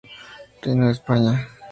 Reino de España